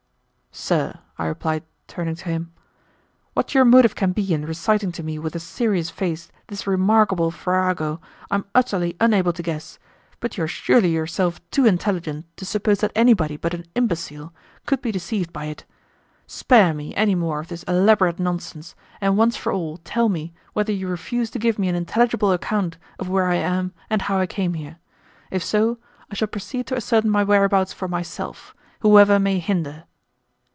"Sir," I replied, turning to him, "what your motive can be in reciting to me with a serious face this remarkable farrago, I am utterly unable to guess; but you are surely yourself too intelligent to suppose that anybody but an imbecile could be deceived by it. Spare me any more of this elaborate nonsense and once for all tell me whether you refuse to give me an intelligible account of where I am and how I came here. If so, I shall proceed to ascertain my whereabouts for myself, whoever may hinder."